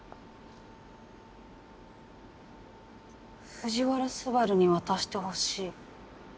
「藤原昴に渡してほしい」。